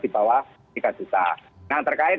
di bawah tiga juta nah terkait